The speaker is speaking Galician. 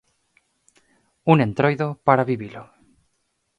Un entroido para vivilo.